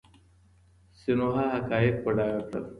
سینوهه حقایق په ډاګه کړل.